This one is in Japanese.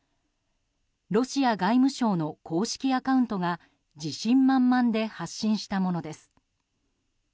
ロシア外務省の公式アカウントが自信満々で発進したものです。